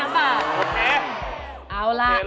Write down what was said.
๓๓บาท